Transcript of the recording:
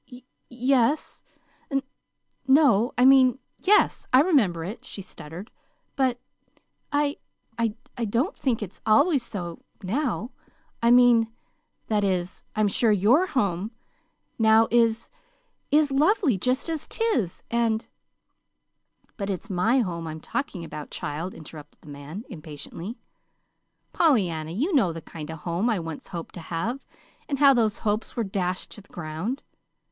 "Y yes, n no I mean, yes, I remember it," she stuttered; "but I I don't think it's always so now. I mean that is, I'm sure your home now is is lovely just as 'tis, and " "But it's my home I'm talking about, child," interrupted the man, impatiently. "Pollyanna, you know the kind of home I once hoped to have, and how those hopes were dashed to the ground.